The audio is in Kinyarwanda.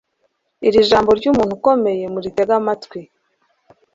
Iri jambo ryumuntu ukomeye muritege amatwi